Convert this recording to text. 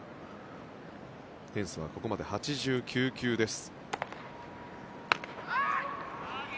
エンスはここまで８９球です。